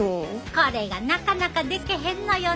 これがなかなかできへんのよね。